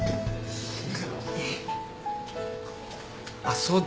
あっそうだ。